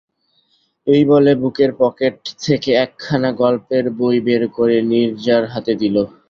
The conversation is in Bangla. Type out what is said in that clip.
এই বলে বুকের পকেট থেকে একখানা গল্পের বই বের করে নীরজার হাতে দিল।